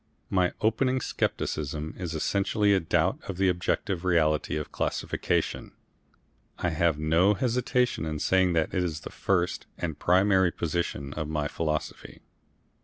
My opening scepticism is essentially a doubt of the objective reality of classification. I have no hesitation in saying that is the first and primary proposition of my philosophy.